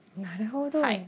なるほど。